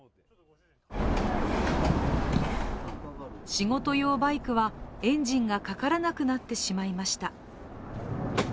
仕事用バイクは、エンジンがかからなくなってしまいました。